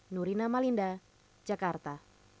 nurina malinda jakarta